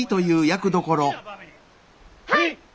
はい！